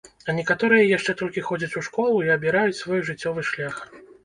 А некаторыя яшчэ толькі ходзяць у школу і абіраюць свой жыццёвы шлях.